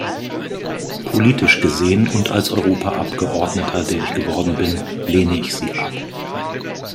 Politisch gesehen und als Europaabgeordneter, der ich geworden bin, lehne ich sie ab.